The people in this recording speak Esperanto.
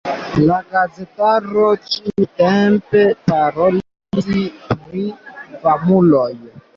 La gazetaro ĉiutempe parolis pri famuloj.